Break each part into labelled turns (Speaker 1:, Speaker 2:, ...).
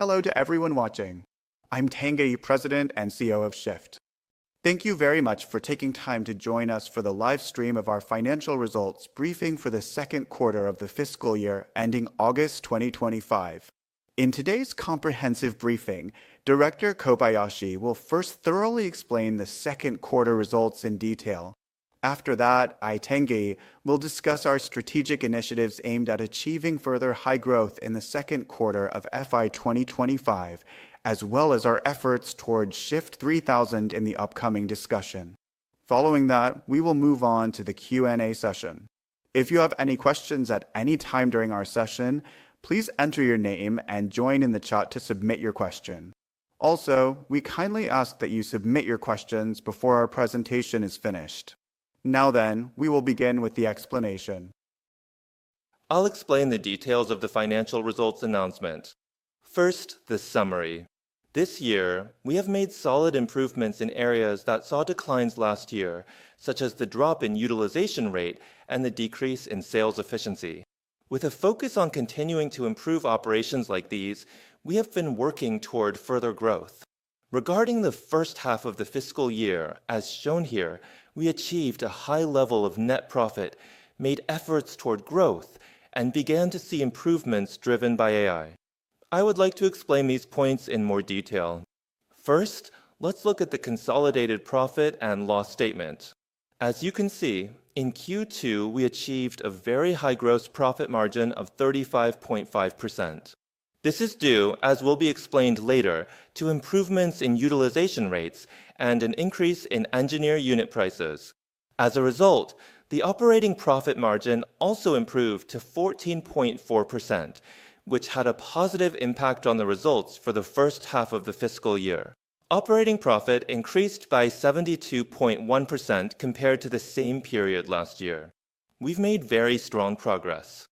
Speaker 1: Hello to everyone watching. I'm Tange, President and CEO of SHIFT. Thank you very much for taking time to join us for the livestream of our financial results briefing for the second quarter of the fiscal year ending August 2025. In today's comprehensive briefing, Director Kobayashi will first thoroughly explain the second quarter results in detail. After that, I, Tange, will discuss our strategic initiatives aimed at achieving further high growth in the second quarter of FY 2025, as well as our efforts toward SHIFT 3000 in the upcoming discussion. Following that, we will move on to the Q&A session. If you have any questions at any time during our session, please enter your name and join in the chat to submit your question. Also, we kindly ask that you submit your questions before our presentation is finished. Now then, we will begin with the explanation.
Speaker 2: I'll explain the details of the financial results announcement. First, the summary. This year, we have made solid improvements in areas that saw declines last year, such as the drop in utilization rate and the decrease in sales efficiency. With a focus on continuing to improve operations like these, we have been working toward further growth. Regarding the first half of the fiscal year, as shown here, we achieved a high level of net profit, made efforts toward growth, and began to see improvements driven by AI. I would like to explain these points in more detail. First, let's look at the consolidated profit and loss statement. As you can see, in Q2, we achieved a very high gross profit margin of 35.5%. This is due, as will be explained later, to improvements in utilization rates and an increase in engineer unit prices. As a result, the operating profit margin also improved to 14.4%, which had a positive impact on the results for the first half of the fiscal year. Operating profit increased by 72.1% compared to the same period last year. We've made very strong progress.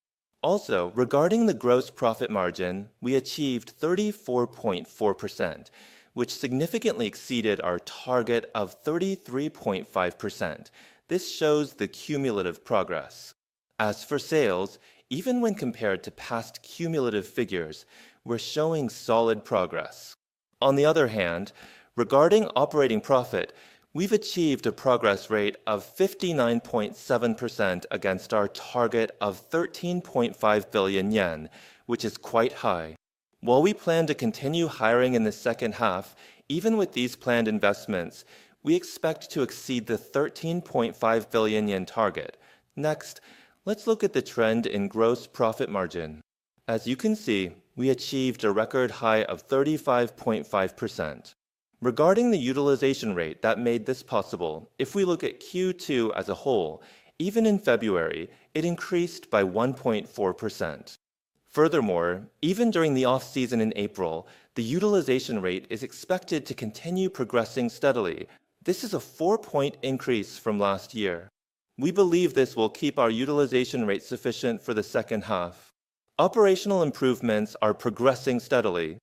Speaker 2: Also, regarding the gross profit margin, we achieved 34.4%, which significantly exceeded our target of 33.5%. This shows the cumulative progress. As for sales, even when compared to past cumulative figures, we're showing solid progress. On the other hand, regarding operating profit, we've achieved a progress rate of 59.7% against our target of 13.5 billion yen, which is quite high. While we plan to continue hiring in the second half, even with these planned investments, we expect to exceed the 13.5 billion yen target. Next, let's look at the trend in gross profit margin. As you can see, we achieved a record high of 35.5%. Regarding the utilization rate that made this possible, if we look at Q2 as a whole, even in February, it increased by 1.4%. Furthermore, even during the off-season in April, the utilization rate is expected to continue progressing steadily. This is a four percentage point increase from last year. We believe this will keep our utilization rate sufficient for the second half. Operational improvements are progressing steadily.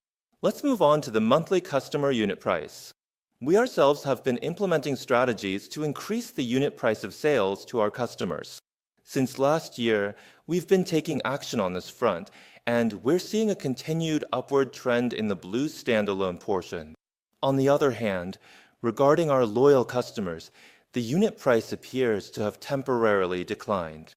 Speaker 2: Let's move on to the monthly customer unit price. We ourselves have been implementing strategies to increase the unit price of sales to our customers. Since last year, we've been taking action on this front, and we're seeing a continued upward trend in the blue standalone portion. On the other hand, regarding our loyal customers, the unit price appears to have temporarily declined.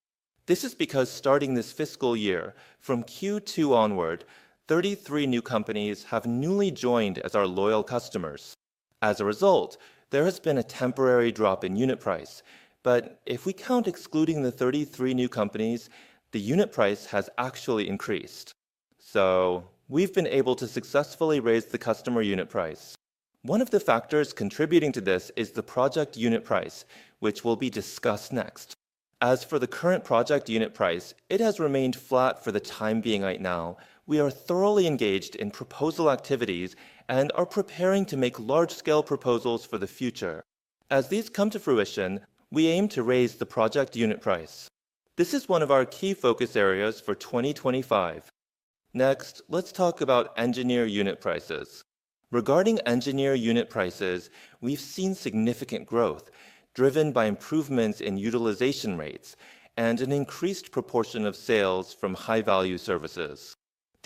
Speaker 2: This is because starting this fiscal year, from Q2 onward, 33 new companies have newly joined as our loyal customers. As a result, there has been a temporary drop in unit price, but if we count excluding the 33 new companies, the unit price has actually increased. We've been able to successfully raise the customer unit price. One of the factors contributing to this is the project unit price, which will be discussed next. As for the current project unit price, it has remained flat for the time being right now. We are thoroughly engaged in proposal activities and are preparing to make large-scale proposals for the future. As these come to fruition, we aim to raise the project unit price. This is one of our key focus areas for 2025. Next, let's talk about engineer unit prices. Regarding engineer unit prices, we've seen significant growth driven by improvements in utilization rates and an increased proportion of sales from high-value services.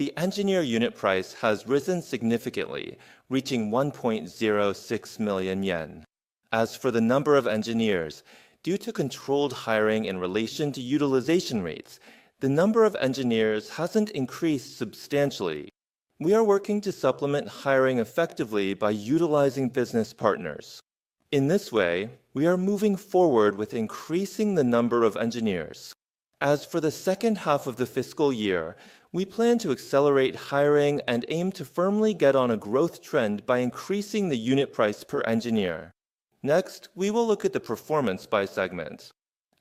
Speaker 2: The engineer unit price has risen significantly, reaching 1.06 million yen. As for the number of engineers, due to controlled hiring in relation to utilization rates, the number of engineers has not increased substantially. We are working to supplement hiring effectively by utilizing business partners. In this way, we are moving forward with increasing the number of engineers. As for the second half of the fiscal year, we plan to accelerate hiring and aim to firmly get on a growth trend by increasing the unit price per engineer. Next, we will look at the performance by segment.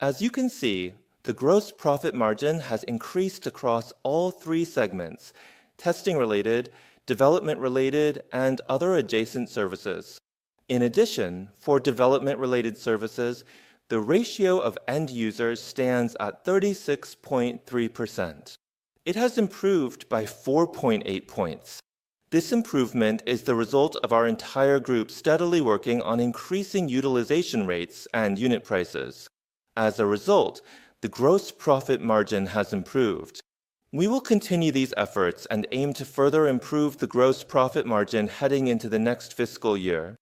Speaker 2: As you can see, the gross profit margin has increased across all three segments: testing-related, development-related, and other adjacent services. In addition, for development-related services, the ratio of end users stands at 36.3%. It has improved by 4.8 percentage points. This improvement is the result of our entire group steadily working on increasing utilization rates and unit prices. As a result, the gross profit margin has improved. We will continue these efforts and aim to further improve the gross profit margin heading into the next fiscal year.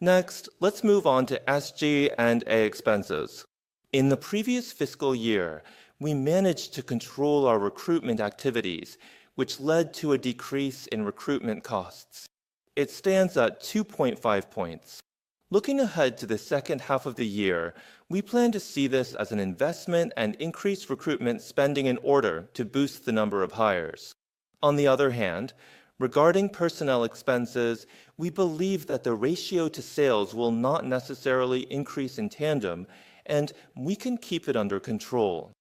Speaker 2: Next, let's move on to SG&A expenses. In the previous fiscal year, we managed to control our recruitment activities, which led to a decrease in recruitment costs. It stands at 2.5 percentage points. Looking ahead to the second half of the year, we plan to see this as an investment and increase recruitment spending in order to boost the number of hires. On the other hand, regarding personnel expenses, we believe that the ratio to sales will not necessarily increase in tandem, and we can keep it under control.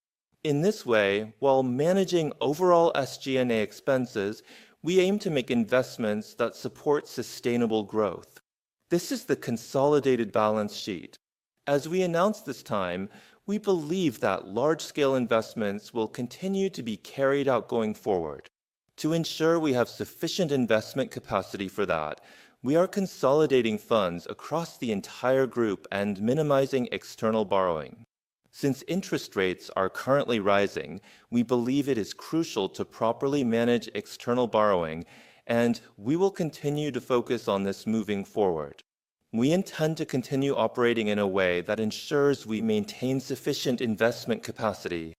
Speaker 2: In this way, while managing overall SG&A expenses, we aim to make investments that support sustainable growth. This is the consolidated balance sheet. As we announced this time, we believe that large-scale investments will continue to be carried out going forward. To ensure we have sufficient investment capacity for that, we are consolidating funds across the entire group and minimizing external borrowing. Since interest rates are currently rising, we believe it is crucial to properly manage external borrowing, and we will continue to focus on this moving forward. We intend to continue operating in a way that ensures we maintain sufficient investment capacity.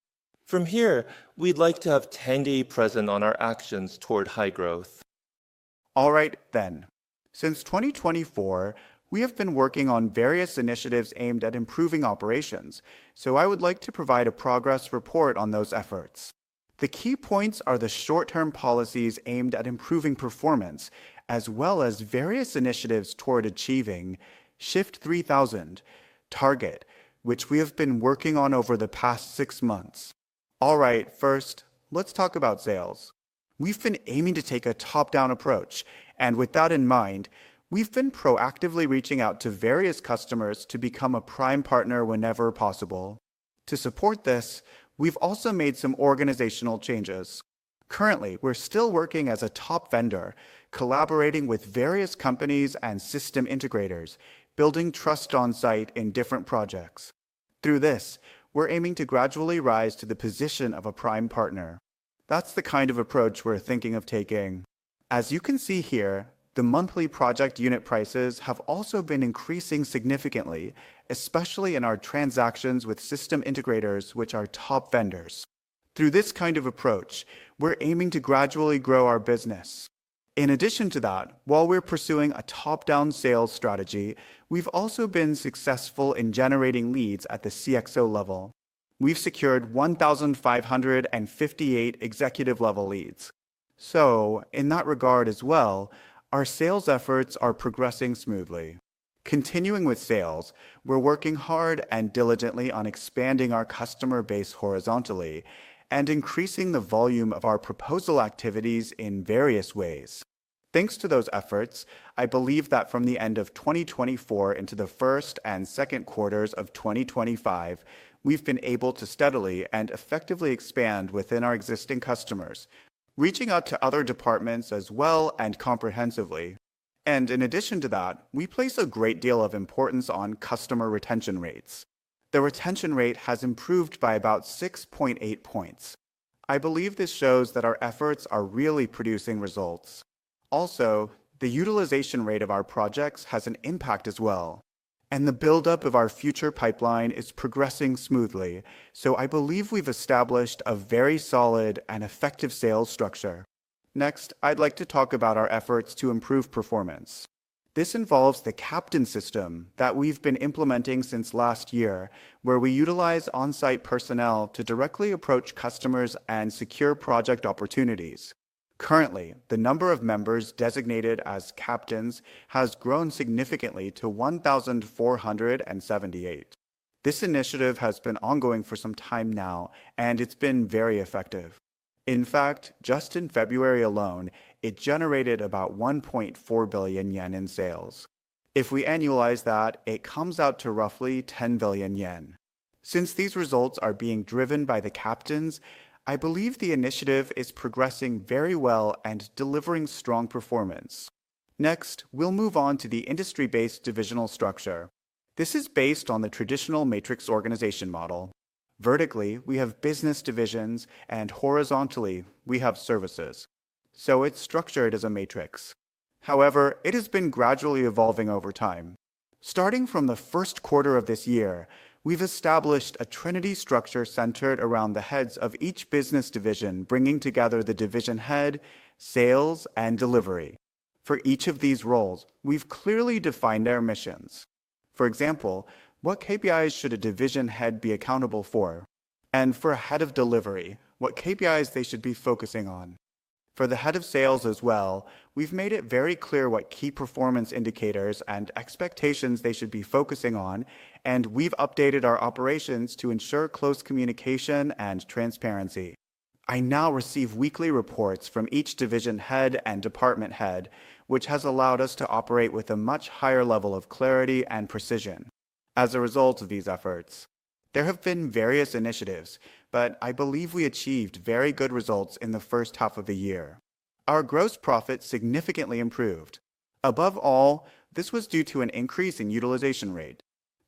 Speaker 2: From here, we'd like to have Tange present on our actions toward high growth.
Speaker 1: All right then. Since 2024, we have been working on various initiatives aimed at improving operations, so I would like to provide a progress report on those efforts. The key points are the short-term policies aimed at improving performance, as well as various initiatives toward achieving SHIFT 3000 target, which we have been working on over the past six months. All right, first, let's talk about sales. We've been aiming to take a top-down approach, and with that in mind, we've been proactively reaching out to various customers to become a prime partner whenever possible. To support this, we've also made some organizational changes. Currently, we're still working as a top vendor, collaborating with various companies and system integrators, building trust on site in different projects. Through this, we're aiming to gradually rise to the position of a prime partner. That's the kind of approach we're thinking of taking. As you can see here, the monthly project unit prices have also been increasing significantly, especially in our transactions with system integrators, which are top vendors. Through this kind of approach, we're aiming to gradually grow our business. In addition to that, while we're pursuing a top-down sales strategy, we've also been successful in generating leads at the CXO level. We've secured 1,558 executive-level leads. In that regard as well, our sales efforts are progressing smoothly. Continuing with sales, we're working hard and diligently on expanding our customer base horizontally and increasing the volume of our proposal activities in various ways. Thanks to those efforts, I believe that from the end of 2024 into the first and second quarters of 2025, we've been able to steadily and effectively expand within our existing customers, reaching out to other departments as well and comprehensively. In addition to that, we place a great deal of importance on customer retention rates. The retention rate has improved by about 6.8 percentage points. I believe this shows that our efforts are really producing results. Also, the utilization rate of our projects has an impact as well, and the buildup of our future pipeline is progressing smoothly, so I believe we've established a very solid and effective sales structure. Next, I'd like to talk about our efforts to improve performance. This involves the captain system that we've been implementing since last year, where we utilize on-site personnel to directly approach customers and secure project opportunities. Currently, the number of members designated as captains has grown significantly to 1,478. This initiative has been ongoing for some time now, and it's been very effective. In fact, just in February alone, it generated about 1.4 billion yen in sales. If we annualize that, it comes out to roughly 10 billion yen. Since these results are being driven by the captains, I believe the initiative is progressing very well and delivering strong performance. Next, we'll move on to the industry-based divisional structure. This is based on the traditional matrix organization model. Vertically, we have business divisions, and horizontally, we have services. It is structured as a matrix. However, it has been gradually evolving over time. Starting from the first quarter of this year, we've established a trinity structure centered around the heads of each business division, bringing together the division head, sales, and delivery. For each of these roles, we've clearly defined their missions. For example, what KPIs should a division head be accountable for? For a head of delivery, what KPIs they should be focusing on? For the Head of Sales as well, we've made it very clear what key performance indicators and expectations they should be focusing on, and we've updated our operations to ensure close communication and transparency. I now receive weekly reports from each division head and department head, which has allowed us to operate with a much higher level of clarity and precision. As a result of these efforts, there have been various initiatives, but I believe we achieved very good results in the first half of the year. Our gross profit significantly improved. Above all, this was due to an increase in utilization rate.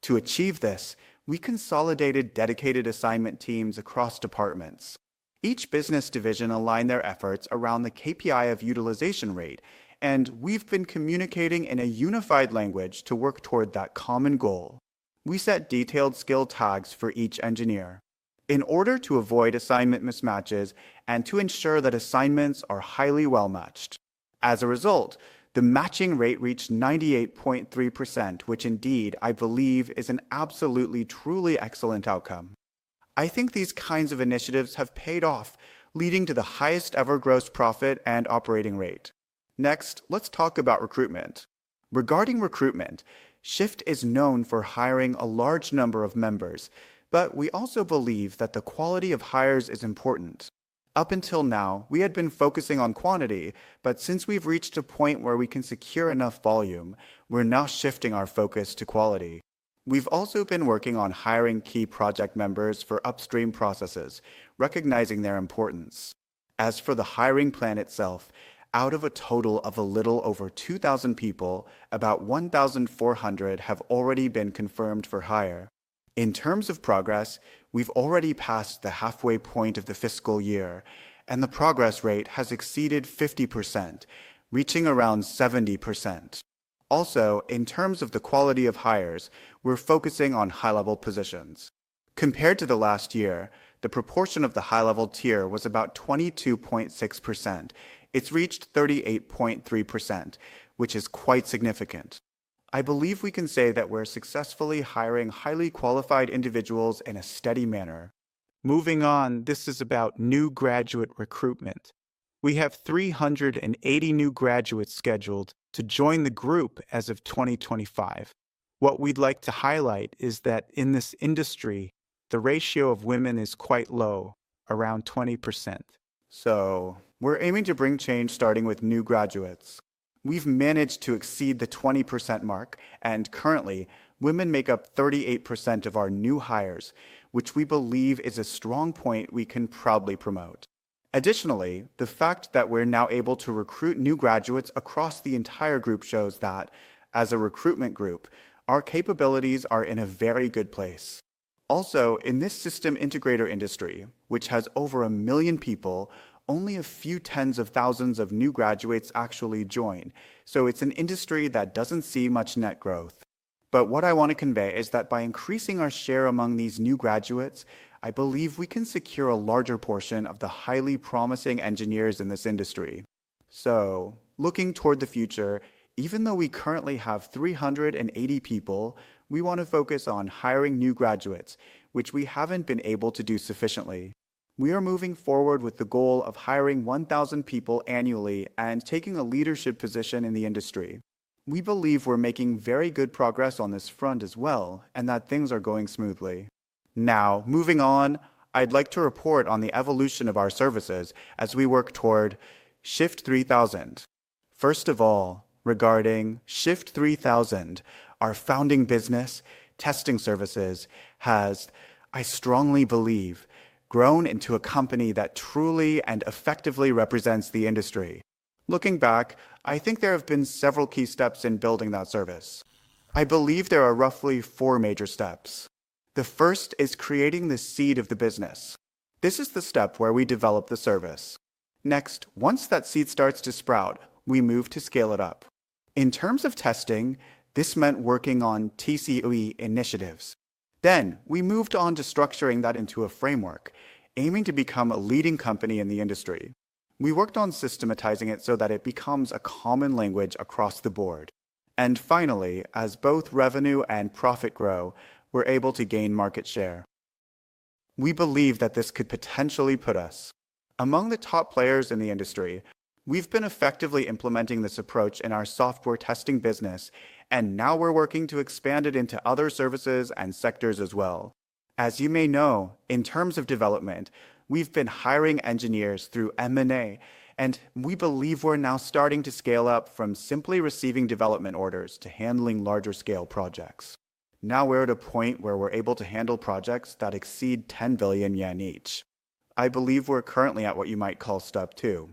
Speaker 1: To achieve this, we consolidated dedicated assignment teams across departments. Each business division aligned their efforts around the KPI of utilization rate, and we've been communicating in a unified language to work toward that common goal. We set detailed skill tags for each engineer in order to avoid assignment mismatches and to ensure that assignments are highly well-matched. As a result, the matching rate reached 98.3%, which indeed, I believe, is an absolutely, truly excellent outcome. I think these kinds of initiatives have paid off, leading to the highest-ever gross profit and operating rate. Next, let's talk about recruitment. Regarding recruitment, SHIFT is known for hiring a large number of members, but we also believe that the quality of hires is important. Up until now, we had been focusing on quantity, but since we've reached a point where we can secure enough volume, we're now shifting our focus to quality. We've also been working on hiring key project members for upstream processes, recognizing their importance. As for the hiring plan itself, out of a total of a little over 2,000 people, about 1,400 have already been confirmed for hire. In terms of progress, we've already passed the halfway point of the fiscal year, and the progress rate has exceeded 50%, reaching around 70%. Also, in terms of the quality of hires, we're focusing on high-level positions. Compared to the last year, the proportion of the high-level tier was about 22.6%. It's reached 38.3%, which is quite significant. I believe we can say that we're successfully hiring highly qualified individuals in a steady manner. Moving on, this is about new graduate recruitment. We have 380 new graduates scheduled to join the group as of 2025. What we'd like to highlight is that in this industry, the ratio of women is quite low, around 20%. We are aiming to bring change starting with new graduates. We've managed to exceed the 20% mark, and currently, women make up 38% of our new hires, which we believe is a strong point we can proudly promote. Additionally, the fact that we're now able to recruit new graduates across the entire group shows that, as a recruitment group, our capabilities are in a very good place. Also, in this system integrator industry, which has over a million people, only a few tens of thousands of new graduates actually join, so it's an industry that doesn't see much net growth. What I want to convey is that by increasing our share among these new graduates, I believe we can secure a larger portion of the highly promising engineers in this industry. Looking toward the future, even though we currently have 380 people, we want to focus on hiring new graduates, which we haven't been able to do sufficiently. We are moving forward with the goal of hiring 1,000 people annually and taking a leadership position in the industry. We believe we're making very good progress on this front as well, and that things are going smoothly. Now, moving on, I'd like to report on the evolution of our services as we work toward SHIFT 3000. First of all, regarding SHIFT 3000, our founding business, Testing Services, has, I strongly believe, grown into a company that truly and effectively represents the industry. Looking back, I think there have been several key steps in building that service. I believe there are roughly four major steps. The first is creating the seed of the business. This is the step where we develop the service. Next, once that seed starts to sprout, we move to scale it up. In terms of testing, this meant working on TCOE initiatives. We moved on to structuring that into a framework, aiming to become a leading company in the industry. We worked on systematizing it so that it becomes a common language across the board. Finally, as both revenue and profit grow, we're able to gain market share. We believe that this could potentially put us among the top players in the industry. We've been effectively implementing this approach in our software testing business, and now we're working to expand it into other services and sectors as well. As you may know, in terms of development, we've been hiring engineers through M&A, and we believe we're now starting to scale up from simply receiving development orders to handling larger-scale projects. Now we're at a point where we're able to handle projects that exceed 10 billion yen each. I believe we're currently at what you might call step two.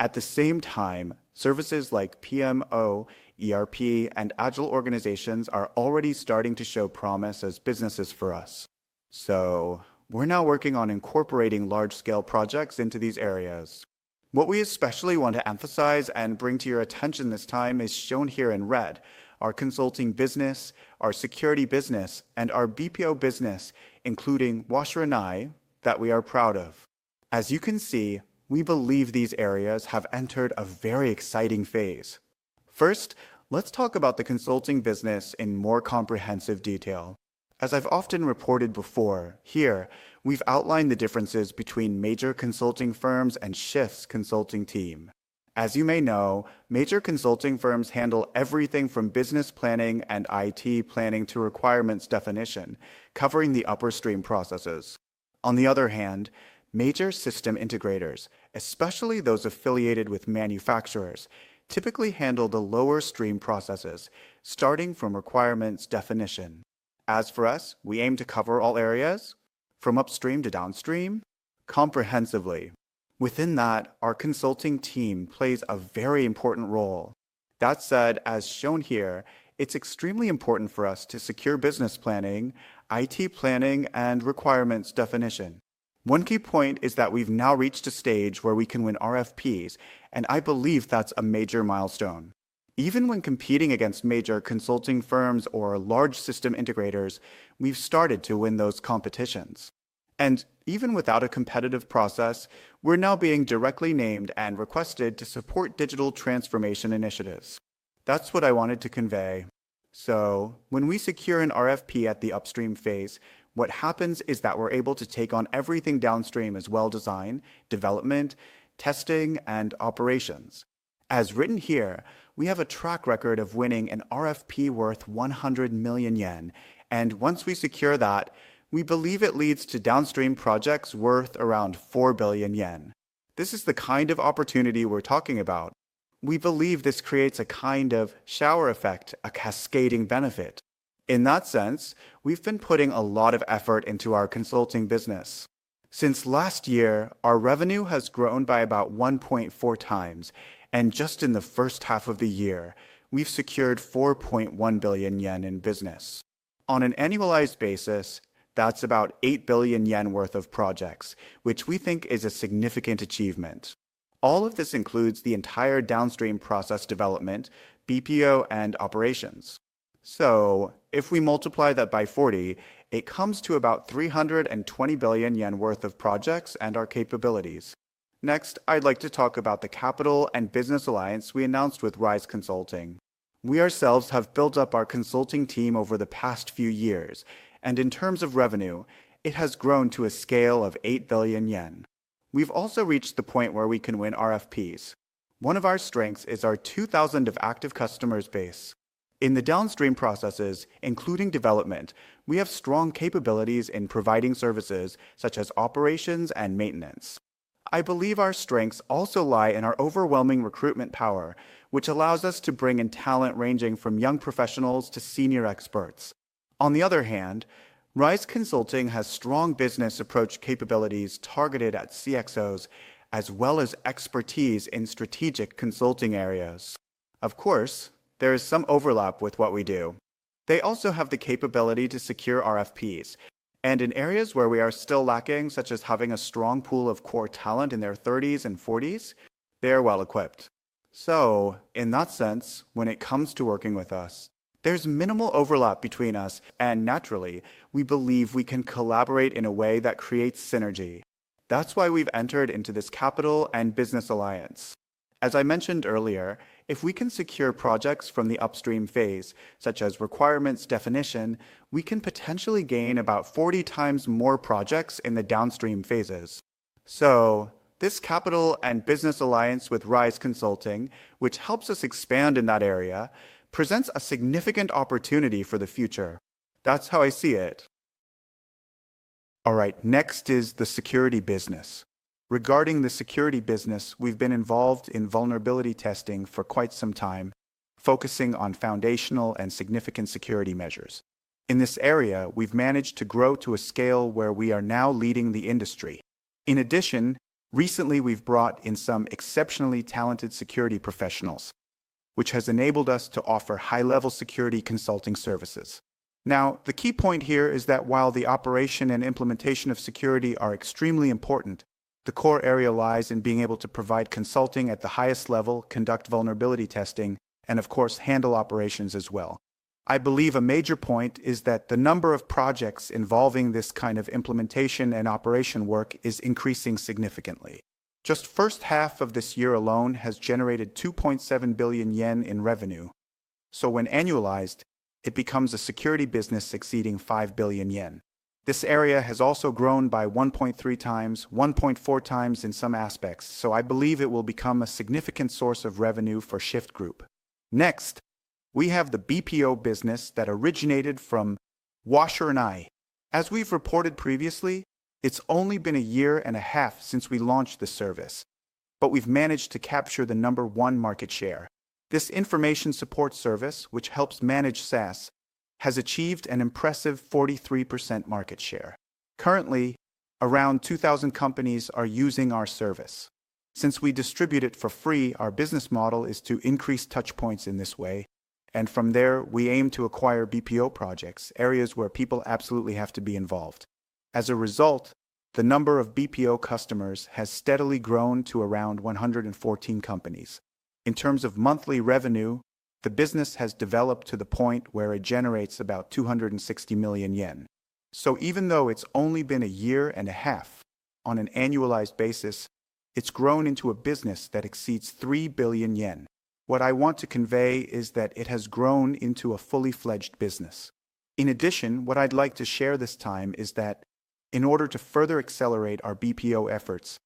Speaker 1: At the same time, services like PMO, ERP, and agile organizations are already starting to show promise as businesses for us. We are now working on incorporating large-scale projects into these areas. What we especially want to emphasize and bring to your attention this time is shown here in red: our consulting business, our security business, and our BPO business, including Washer and I, that we are proud of. As you can see, we believe these areas have entered a very exciting phase. First, let's talk about the consulting business in more comprehensive detail. As I've often reported before, here, we've outlined the differences between major consulting firms and SHIFT's consulting team. As you may know, major consulting firms handle everything from business planning and IT planning to requirements definition, covering the upperstream processes. On the other hand, major system integrators, especially those affiliated with manufacturers, typically handle the lowerstream processes, starting from requirements definition. As for us, we aim to cover all areas from upstream to downstream comprehensively. Within that, our consulting team plays a very important role. That said, as shown here, it's extremely important for us to secure business planning, IT planning, and requirements definition. One key point is that we've now reached a stage where we can win RFPs, and I believe that's a major milestone. Even when competing against major consulting firms or large system integrators, we've started to win those competitions. Even without a competitive process, we're now being directly named and requested to support digital transformation initiatives. That's what I wanted to convey. When we secure an RFP at the upstream phase, what happens is that we're able to take on everything downstream as well—design, development, testing, and operations. As written here, we have a track record of winning an RFP worth 100 million yen, and once we secure that, we believe it leads to downstream projects worth around 4 billion yen. This is the kind of opportunity we're talking about. We believe this creates a kind of shower effect, a cascading benefit. In that sense, we've been putting a lot of effort into our consulting business. Since last year, our revenue has grown by about 1.4 times, and just in the first half of the year, we've secured 4.1 billion yen in business. On an annualized basis, that's about 8 billion yen worth of projects, which we think is a significant achievement. All of this includes the entire downstream process development, BPO, and operations. If we multiply that by 40, it comes to about 320 billion yen worth of projects and our capabilities. Next, I'd like to talk about the capital and business alliance we announced with Rise Consulting. We ourselves have built up our consulting team over the past few years, and in terms of revenue, it has grown to a scale of 8 billion yen. We've also reached the point where we can win RFPs. One of our strengths is our 2,000 active customers base. In the downstream processes, including development, we have strong capabilities in providing services such as operations and maintenance. I believe our strengths also lie in our overwhelming recruitment power, which allows us to bring in talent ranging from young professionals to senior experts. On the other hand, Rise Consulting has strong business approach capabilities targeted at CXOs, as well as expertise in strategic consulting areas. Of course, there is some overlap with what we do. They also have the capability to secure RFPs, and in areas where we are still lacking, such as having a strong pool of core talent in their 30s and 40s, they are well-equipped. In that sense, when it comes to working with us, there's minimal overlap between us, and naturally, we believe we can collaborate in a way that creates synergy. That's why we've entered into this capital and business alliance. As I mentioned earlier, if we can secure projects from the upstream phase, such as requirements definition, we can potentially gain about 40 times more projects in the downstream phases. This capital and business alliance with Rise Consulting, which helps us expand in that area, presents a significant opportunity for the future. That is how I see it. All right, next is the security business. Regarding the security business, we have been involved in vulnerability testing for quite some time, focusing on foundational and significant security measures. In this area, we have managed to grow to a scale where we are now leading the industry. In addition, recently, we have brought in some exceptionally talented security professionals, which has enabled us to offer high-level security consulting services. Now, the key point here is that while the operation and implementation of security are extremely important, the core area lies in being able to provide consulting at the highest level, conduct vulnerability testing, and of course, handle operations as well. I believe a major point is that the number of projects involving this kind of implementation and operation work is increasing significantly. Just the first half of this year alone has generated 2.7 billion yen in revenue. When annualized, it becomes a security business exceeding 5 billion yen. This area has also grown by 1.3 times, 1.4 times in some aspects, so I believe it will become a significant source of revenue for SHIFT Group. Next, we have the BPO business that originated from Washer and I. As we've reported previously, it's only been a year and a half since we launched the service, but we've managed to capture the number one market share. This information support service, which helps manage SaaS, has achieved an impressive 43% market share. Currently, around 2,000 companies are using our service. Since we distribute it for free, our business model is to increase touchpoints in this way, and from there, we aim to acquire BPO projects, areas where people absolutely have to be involved. As a result, the number of BPO customers has steadily grown to around 114 companies. In terms of monthly revenue, the business has developed to the point where it generates about 260 million yen. Even though it's only been a year and a half, on an annualized basis, it's grown into a business that exceeds 3 billion yen. What I want to convey is that it has grown into a fully-fledged business. In addition, what I'd like to share this time is that, in order to further accelerate our BPO efforts,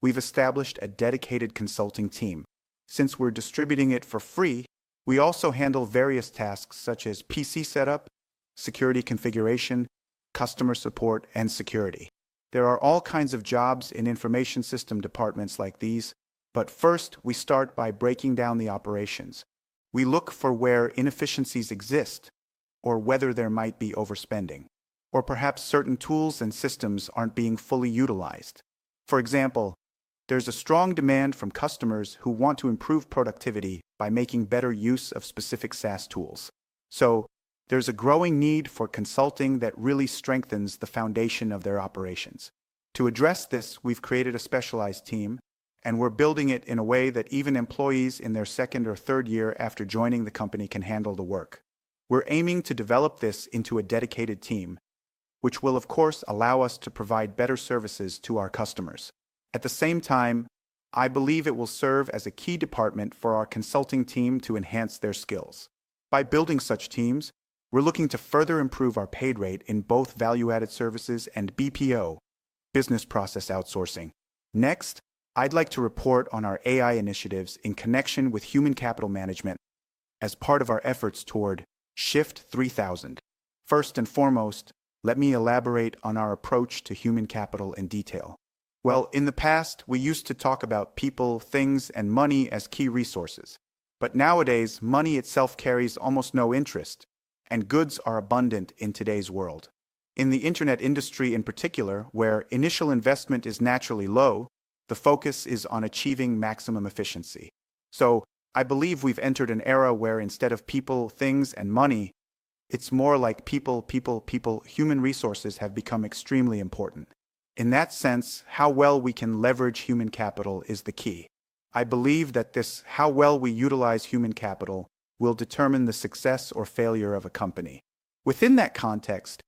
Speaker 1: we've established a dedicated consulting team. Since we're distributing it for free, we also handle various tasks such as PC setup, security configuration, customer support, and security. There are all kinds of jobs in information system departments like these, but first, we start by breaking down the operations. We look for where inefficiencies exist, or whether there might be overspending, or perhaps certain tools and systems aren't being fully utilized. For example, there's a strong demand from customers who want to improve productivity by making better use of specific SaaS tools. There is a growing need for consulting that really strengthens the foundation of their operations. To address this, we've created a specialized team, and we're building it in a way that even employees in their second or third year after joining the company can handle the work. We're aiming to develop this into a dedicated team, which will, of course, allow us to provide better services to our customers. At the same time, I believe it will serve as a key department for our consulting team to enhance their skills. By building such teams, we're looking to further improve our pay rate in both value-added services and BPO, business process outsourcing. Next, I'd like to report on our AI initiatives in connection with human capital management as part of our efforts toward SHIFT 3000. First and foremost, let me elaborate on our approach to human capital in detail. In the past, we used to talk about people, things, and money as key resources. Nowadays, money itself carries almost no interest, and goods are abundant in today's world. In the internet industry in particular, where initial investment is naturally low, the focus is on achieving maximum efficiency. I believe we've entered an era where instead of people, things, and money, it's more like people, people, people, human resources have become extremely important. In that sense, how well we can leverage human capital is the key. I believe that this how well we utilize human capital will determine the success or failure of a company. Within that context,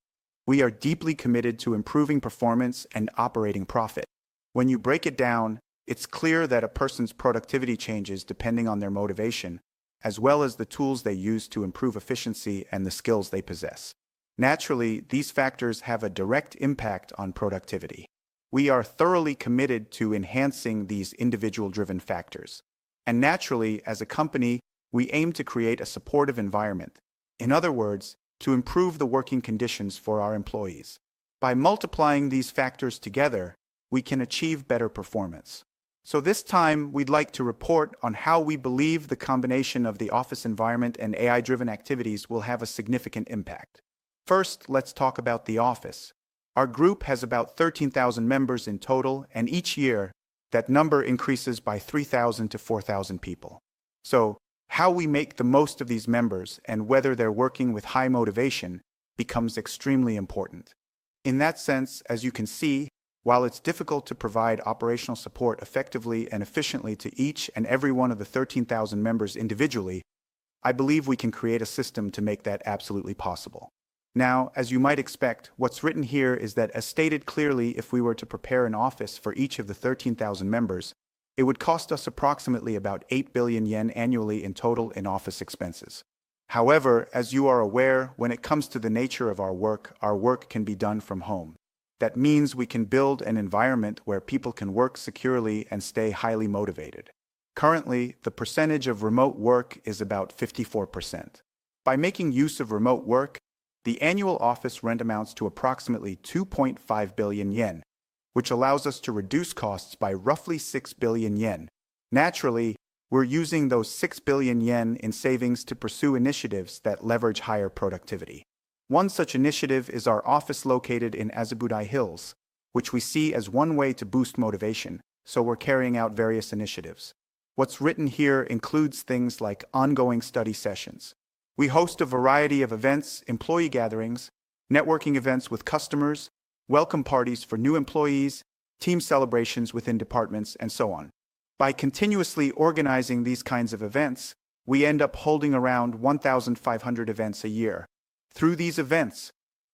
Speaker 1: we are deeply committed to improving performance and operating profit. When you break it down, it's clear that a person's productivity changes depending on their motivation, as well as the tools they use to improve efficiency and the skills they possess. Naturally, these factors have a direct impact on productivity. We are thoroughly committed to enhancing these individual-driven factors. Naturally, as a company, we aim to create a supportive environment, in other words, to improve the working conditions for our employees. By multiplying these factors together, we can achieve better performance. This time, we'd like to report on how we believe the combination of the office environment and AI-driven activities will have a significant impact. First, let's talk about the office. Our group has about 13,000 members in total, and each year, that number increases by 3,000-4,000 people. How we make the most of these members and whether they're working with high motivation becomes extremely important. In that sense, as you can see, while it's difficult to provide operational support effectively and efficiently to each and every one of the 13,000 members individually, I believe we can create a system to make that absolutely possible. Now, as you might expect, what's written here is that, as stated clearly, if we were to prepare an office for each of the 13,000 members, it would cost us approximately about 8 billion yen annually in total in office expenses. However, as you are aware, when it comes to the nature of our work, our work can be done from home. That means we can build an environment where people can work securely and stay highly motivated. Currently, the percentage of remote work is about 54%. By making use of remote work, the annual office rent amounts to approximately 2.5 billion yen, which allows us to reduce costs by roughly 6 billion yen. Naturally, we're using those 6 billion yen in savings to pursue initiatives that leverage higher productivity. One such initiative is our office located in Azabudai Hills, which we see as one way to boost motivation, so we're carrying out various initiatives. What's written here includes things like ongoing study sessions. We host a variety of events, employee gatherings, networking events with customers, welcome parties for new employees, team celebrations within departments, and so on. By continuously organizing these kinds of events, we end up holding around 1,500 events a year. Through these events,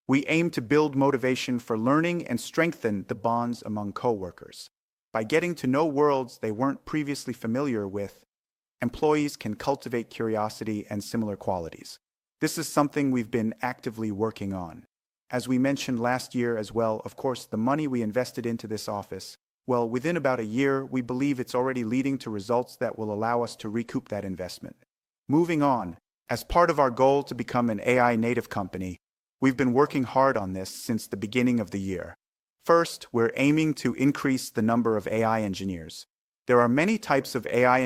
Speaker 1: we aim to build motivation for learning and strengthen the bonds among coworkers. By getting to know worlds they weren't previously familiar with, employees can cultivate curiosity and similar qualities. This is something we've been actively working on. As we mentioned last year as well, of course, the money we invested into this office, within about a year, we believe it's already leading to results that will allow us to recoup that investment. Moving on, as part of our goal to become an AI-native company, we've been working hard on this since the beginning of the year. First, we're aiming to increase the number of AI engineers. There are many types of AI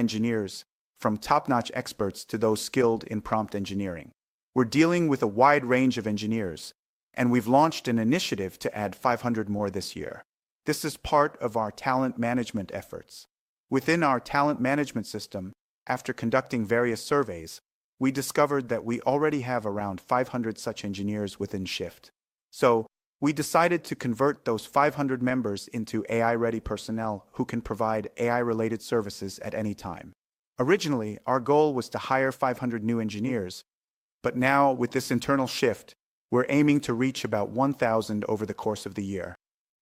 Speaker 1: engineers, from top-notch experts to those skilled in prompt engineering. We're dealing with a wide range of engineers, and we've launched an initiative to add 500 more this year. This is part of our talent management efforts. Within our talent management system, after conducting various surveys, we discovered that we already have around 500 such engineers within SHIFT. We decided to convert those 500 members into AI-ready personnel who can provide AI-related services at any time. Originally, our goal was to hire 500 new engineers, but now, with this internal shift, we're aiming to reach about 1,000 over the course of the year.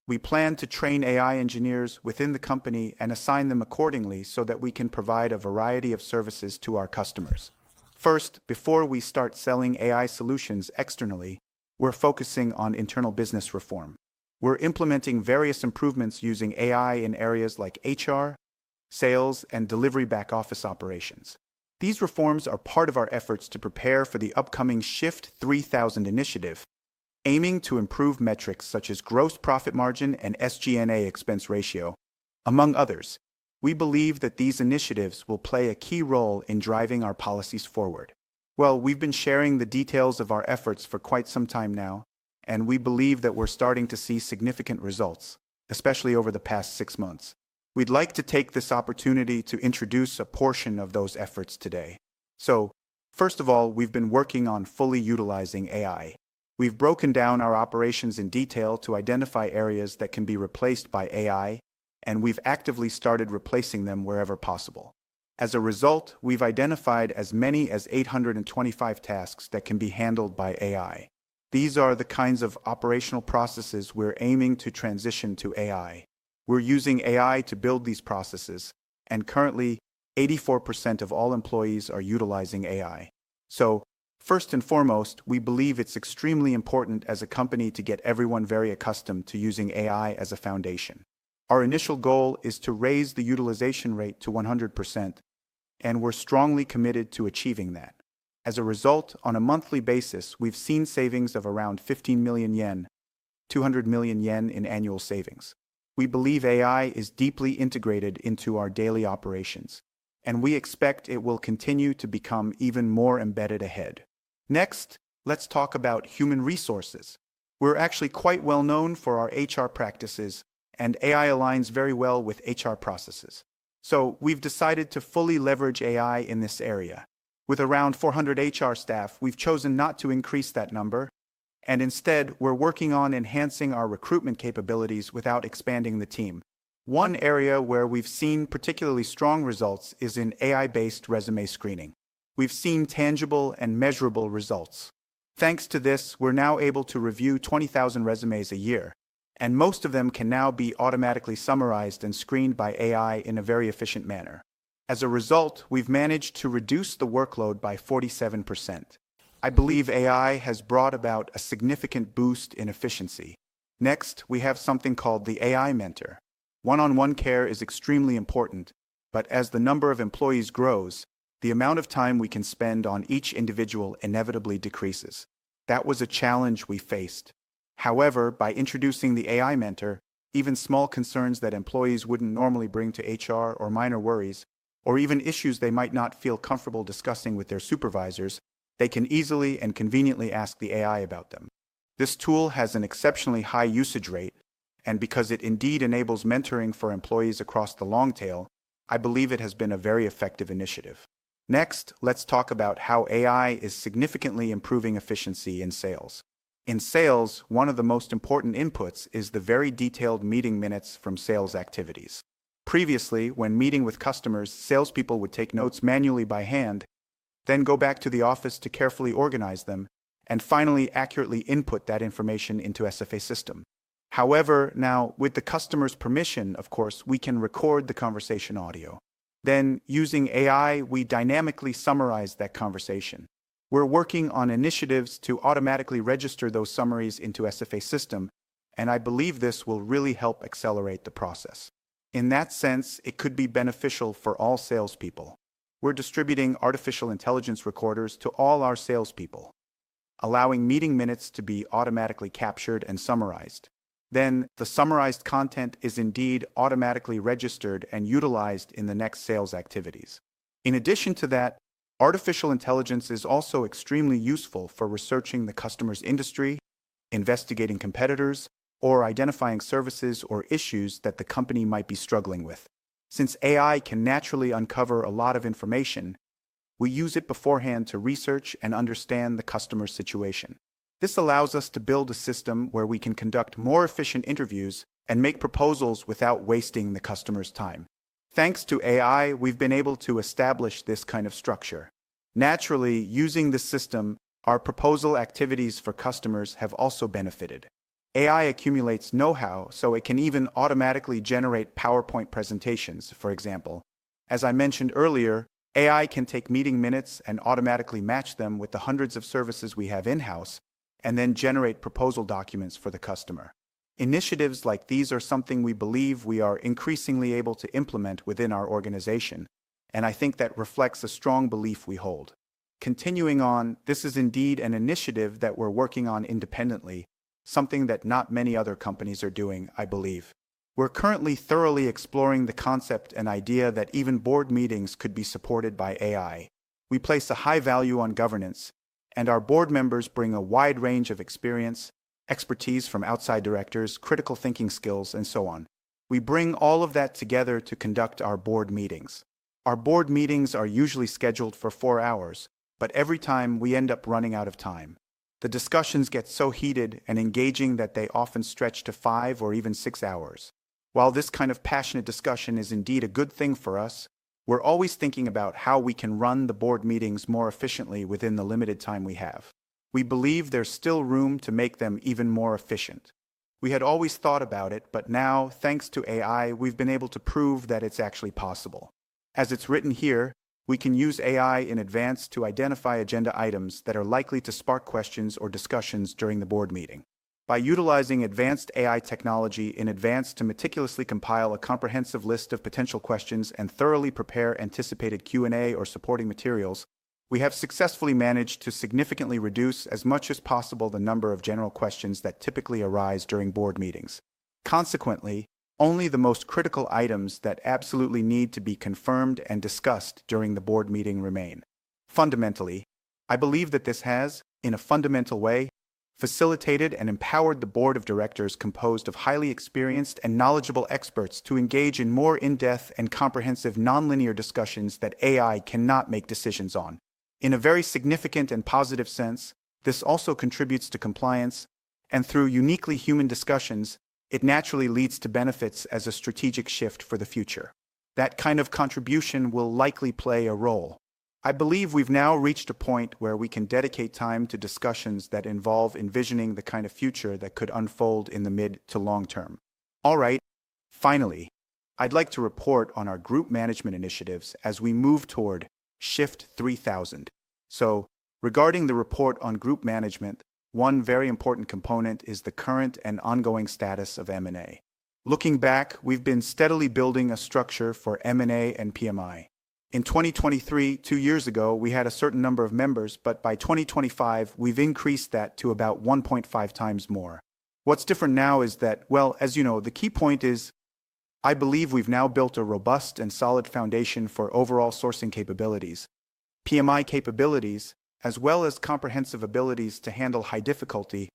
Speaker 1: We plan to train AI engineers within the company and assign them accordingly so that we can provide a variety of services to our customers. First, before we start selling AI solutions externally, we're focusing on internal business reform. We're implementing various improvements using AI in areas like HR, sales, and delivery-back office operations. These reforms are part of our efforts to prepare for the upcoming SHIFT 3000 initiative, aiming to improve metrics such as gross profit margin and SG&A expense ratio, among others. We believe that these initiatives will play a key role in driving our policies forward. We have been sharing the details of our efforts for quite some time now, and we believe that we are starting to see significant results, especially over the past six months. We would like to take this opportunity to introduce a portion of those efforts today. First of all, we have been working on fully utilizing AI. We have broken down our operations in detail to identify areas that can be replaced by AI, and we have actively started replacing them wherever possible. As a result, we have identified as many as 825 tasks that can be handled by AI. These are the kinds of operational processes we are aiming to transition to AI. We are using AI to build these processes, and currently, 84% of all employees are utilizing AI. First and foremost, we believe it is extremely important as a company to get everyone very accustomed to using AI as a foundation. Our initial goal is to raise the utilization rate to 100%, and we're strongly committed to achieving that. As a result, on a monthly basis, we've seen savings of around 15 million yen, 200 million yen in annual savings. We believe AI is deeply integrated into our daily operations, and we expect it will continue to become even more embedded ahead. Next, let's talk about human resources. We're actually quite well-known for our HR practices, and AI aligns very well with HR processes. We've decided to fully leverage AI in this area. With around 400 HR staff, we've chosen not to increase that number, and instead, we're working on enhancing our recruitment capabilities without expanding the team. One area where we've seen particularly strong results is in AI-based resume screening. We've seen tangible and measurable results. Thanks to this, we're now able to review 20,000 resumes a year, and most of them can now be automatically summarized and screened by AI in a very efficient manner. As a result, we've managed to reduce the workload by 47%. I believe AI has brought about a significant boost in efficiency. Next, we have something called the AI mentor. One-on-one care is extremely important, but as the number of employees grows, the amount of time we can spend on each individual inevitably decreases. That was a challenge we faced. However, by introducing the AI mentor, even small concerns that employees wouldn't normally bring to HR, or minor worries, or even issues they might not feel comfortable discussing with their supervisors, they can easily and conveniently ask the AI about them. This tool has an exceptionally high usage rate, and because it indeed enables mentoring for employees across the long tail, I believe it has been a very effective initiative. Next, let's talk about how AI is significantly improving efficiency in sales. In sales, one of the most important inputs is the very detailed meeting minutes from sales activities. Previously, when meeting with customers, salespeople would take notes manually by hand, then go back to the office to carefully organize them, and finally accurately input that information into SFA system. However, now, with the customer's permission, of course, we can record the conversation audio. Using AI, we dynamically summarize that conversation. We're working on initiatives to automatically register those summaries into SFA system, and I believe this will really help accelerate the process. In that sense, it could be beneficial for all salespeople. We're distributing artificial intelligence recorders to all our salespeople, allowing meeting minutes to be automatically captured and summarized. The summarized content is indeed automatically registered and utilized in the next sales activities. In addition to that, artificial intelligence is also extremely useful for researching the customer's industry, investigating competitors, or identifying services or issues that the company might be struggling with. Since AI can naturally uncover a lot of information, we use it beforehand to research and understand the customer situation. This allows us to build a system where we can conduct more efficient interviews and make proposals without wasting the customer's time. Thanks to AI, we've been able to establish this kind of structure. Naturally, using this system, our proposal activities for customers have also benefited. AI accumulates know-how, so it can even automatically generate PowerPoint presentations, for example. As I mentioned earlier, AI can take meeting minutes and automatically match them with the hundreds of services we have in-house, and then generate proposal documents for the customer. Initiatives like these are something we believe we are increasingly able to implement within our organization, and I think that reflects a strong belief we hold. Continuing on, this is indeed an initiative that we're working on independently, something that not many other companies are doing, I believe. We're currently thoroughly exploring the concept and idea that even board meetings could be supported by AI. We place a high value on governance, and our board members bring a wide range of experience, expertise from outside directors, critical thinking skills, and so on. We bring all of that together to conduct our board meetings. Our board meetings are usually scheduled for four hours, but every time we end up running out of time. The discussions get so heated and engaging that they often stretch to five or even six hours. While this kind of passionate discussion is indeed a good thing for us, we're always thinking about how we can run the board meetings more efficiently within the limited time we have. We believe there's still room to make them even more efficient. We had always thought about it, but now, thanks to AI, we've been able to prove that it's actually possible. As it's written here, we can use AI in advance to identify agenda items that are likely to spark questions or discussions during the board meeting. By utilizing advanced AI technology in advance to meticulously compile a comprehensive list of potential questions and thoroughly prepare anticipated Q&A or supporting materials, we have successfully managed to significantly reduce as much as possible the number of general questions that typically arise during board meetings. Consequently, only the most critical items that absolutely need to be confirmed and discussed during the board meeting remain. Fundamentally, I believe that this has, in a fundamental way, facilitated and empowered the board of directors composed of highly experienced and knowledgeable experts to engage in more in-depth and comprehensive non-linear discussions that AI cannot make decisions on. In a very significant and positive sense, this also contributes to compliance, and through uniquely human discussions, it naturally leads to benefits as a strategic shift for the future. That kind of contribution will likely play a role. I believe we've now reached a point where we can dedicate time to discussions that involve envisioning the kind of future that could unfold in the mid to long term. All right, finally, I'd like to report on our group management initiatives as we move toward SHIFT 3000. Regarding the report on group management, one very important component is the current and ongoing status of M&A. Looking back, we've been steadily building a structure for M&A and PMI. In 2023, two years ago, we had a certain number of members, but by 2025, we've increased that to about 1.5 times more. What's different now is that, as you know, the key point is I believe we've now built a robust and solid foundation for overall sourcing capabilities, PMI capabilities, as well as comprehensive abilities to handle high-difficulty,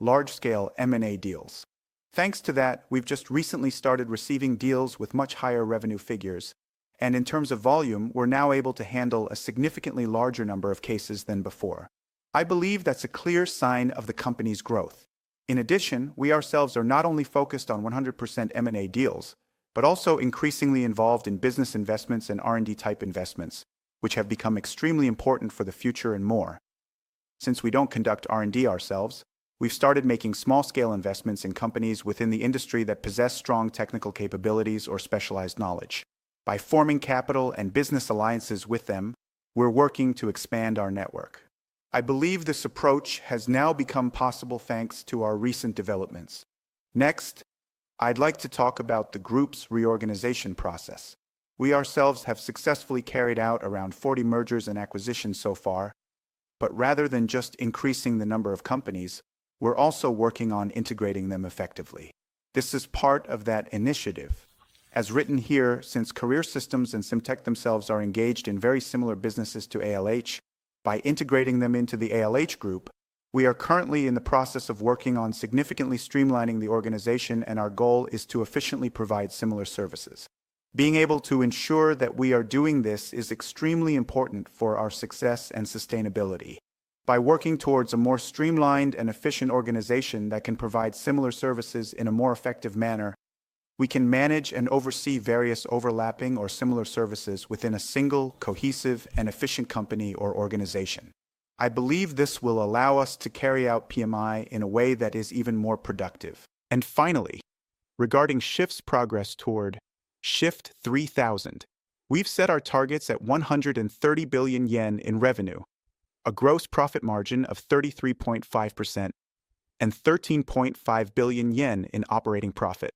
Speaker 1: large-scale M&A deals. Thanks to that, we've just recently started receiving deals with much higher revenue figures, and in terms of volume, we're now able to handle a significantly larger number of cases than before. I believe that's a clear sign of the company's growth. In addition, we ourselves are not only focused on 100% M&A deals, but also increasingly involved in business investments and R&D-type investments, which have become extremely important for the future and more. Since we don't conduct R&D ourselves, we've started making small-scale investments in companies within the industry that possess strong technical capabilities or specialized knowledge. By forming capital and business alliances with them, we're working to expand our network. I believe this approach has now become possible thanks to our recent developments. Next, I'd like to talk about the group's reorganization process. We ourselves have successfully carried out around 40 mergers and acquisitions so far, but rather than just increasing the number of companies, we're also working on integrating them effectively. This is part of that initiative. As written here, since Career Systems and SimTech themselves are engaged in very similar businesses to ALH, by integrating them into the ALH group, we are currently in the process of working on significantly streamlining the organization, and our goal is to efficiently provide similar services. Being able to ensure that we are doing this is extremely important for our success and sustainability. By working towards a more streamlined and efficient organization that can provide similar services in a more effective manner, we can manage and oversee various overlapping or similar services within a single, cohesive, and efficient company or organization. I believe this will allow us to carry out PMI in a way that is even more productive. Finally, regarding SHIFT's progress toward SHIFT 3000, we've set our targets at 130 billion yen in revenue, a gross profit margin of 33.5%, and 13.5 billion yen in operating profit.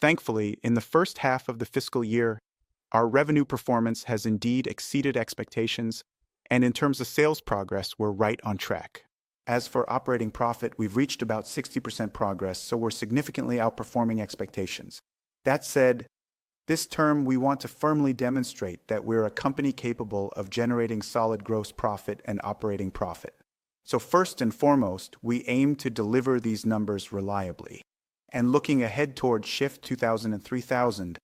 Speaker 1: Thankfully, in the first half of the fiscal year, our revenue performance has indeed exceeded expectations, and in terms of sales progress, we're right on track. As for operating profit, we've reached about 60% progress, so we're significantly outperforming expectations. That said, this term we want to firmly demonstrate that we're a company capable of generating solid gross profit and operating profit. First and foremost, we aim to deliver these numbers reliably. Looking ahead toward SHIFT 2000 and 3000,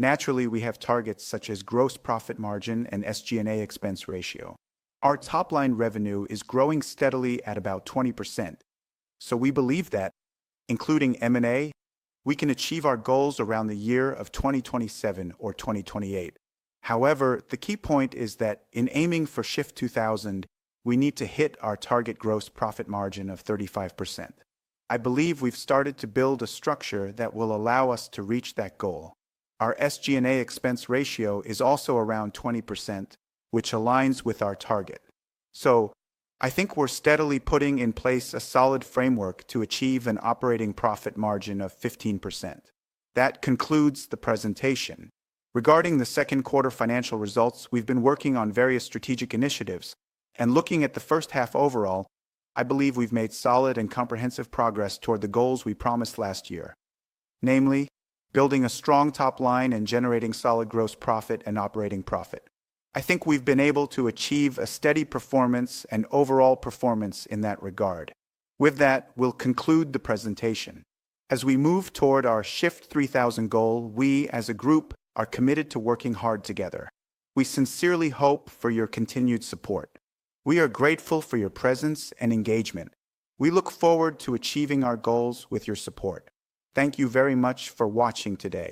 Speaker 1: naturally we have targets such as gross profit margin and SG&A expense ratio. Our top-line revenue is growing steadily at about 20%, so we believe that, including M&A, we can achieve our goals around the year of 2027 or 2028. However, the key point is that in aiming for SHIFT 3000, we need to hit our target gross profit margin of 35%. I believe we've started to build a structure that will allow us to reach that goal. Our SG&A expense ratio is also around 20%, which aligns with our target. I think we're steadily putting in place a solid framework to achieve an operating profit margin of 15%. That concludes the presentation. Regarding the second quarter financial results, we've been working on various strategic initiatives, and looking at the first half overall, I believe we've made solid and comprehensive progress toward the goals we promised last year, namely, building a strong top line and generating solid gross profit and operating profit. I think we've been able to achieve a steady performance and overall performance in that regard. With that, we'll conclude the presentation. As we move toward our SHIFT 3000 goal, we as a group are committed to working hard together. We sincerely hope for your continued support. We are grateful for your presence and engagement. We look forward to achieving our goals with your support. Thank you very much for watching today.